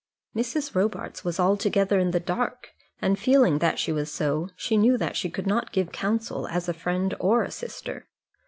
Mrs. Robarts was altogether in the dark, and feeling that she was so, she knew that she could not give counsel as a friend or a sister.